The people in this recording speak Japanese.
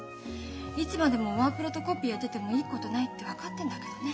いつまでもワープロとコピーやっててもいいことないって分かってんだけどね。